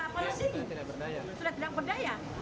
sudah tidak berdaya